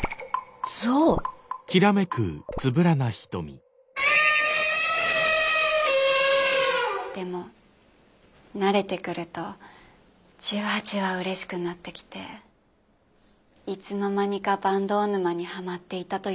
象？でも慣れてくるとじわじわうれしくなってきていつの間にか坂東沼にハマっていたというか。